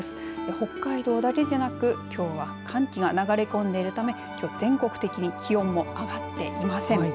北海道だけじゃなく、きょうは寒気が流れ込んでいるためきょう全国的に気温も上がっていません。